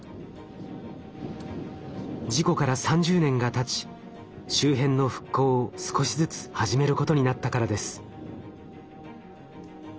事故から３０年がたち周辺の復興を少しずつ始めることになったからです。